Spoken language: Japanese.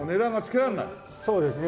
そうですね